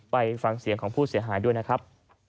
ไปฟังเสียงของผู้เสียหายด้วยนะครับ